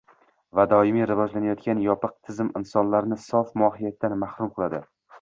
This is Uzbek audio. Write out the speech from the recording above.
va doimiy rivojlanayotgan yopiq tizim insonlarni sof mohiyatidan mahrum qiladi.